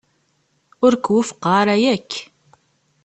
Ur k-wufqeɣ ara yakk.